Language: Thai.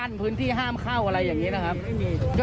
พื้นที่ห้ามเข้าอะไรอย่างนี้นะครับ